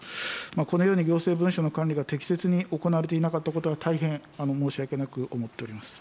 このように行政文書の管理が適切に行われていなかったことは、大変申し訳なく思っております。